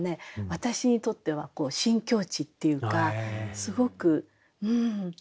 私にとっては新境地っていうかすごくうん。